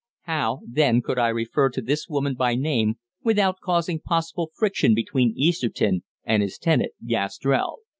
How, then, could I refer to this woman by name without causing possible friction between Easterton and his tenant, Gastrell?